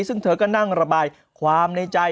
ซึ่งเธอก็นั่งระบายความในใจ